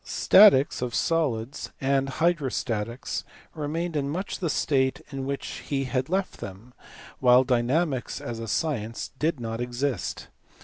Statics (of solids) and hydrostatics remained in much the state in which he had left them, while dynamics as a science did not exist.